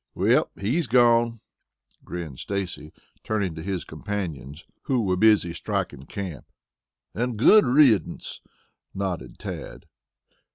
"Well, he's gone," grinned Stacy, turning to his companions, who were busy striking camp. "And a good riddance," nodded Tad.